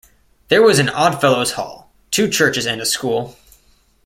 There was an Oddfellows' Hall, two churches and a school.